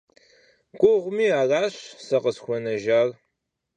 Гугъуми, аращ сэ къысхуэнэжар.